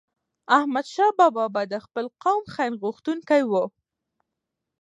احمدشاه بابا به د خپل قوم خیرغوښتونکی و.